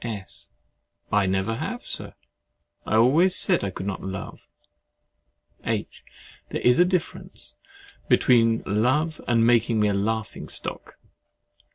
S. I never have, Sir. I always said I could not love. H. There is a difference between love and making me a laughing stock.